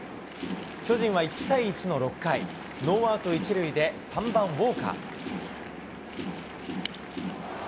巨人は１対１の６回、ノーアウト１塁で３番ウォーカー。